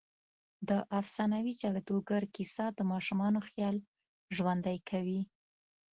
د افسانوي جادوګر کیسه د ماشومانو خيال ژوندۍ کوي.